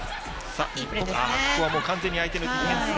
ここはもう完全に相手のディフェンスが。